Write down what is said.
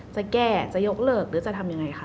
จะแก้จะยกเลิกหรือจะทำยังไงคะ